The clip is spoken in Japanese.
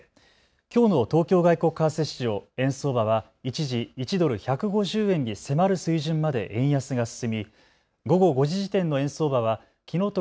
きょうの東京外国為替市場円相場は一時１ドル１５０円に迫る水準まで円安が進み午後５時時点の円相場はきのうと